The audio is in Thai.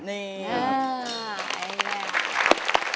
นี่